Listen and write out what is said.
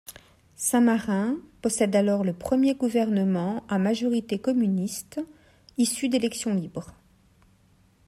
Saint-Marin possède alors le premier gouvernement à majorité communiste issu d'élections libres.